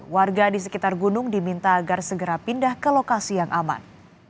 warga di sekitar gunung diminta agar segera pindah ke lokasi yang aman